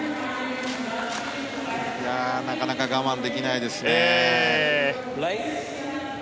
なかなか我慢できないですね。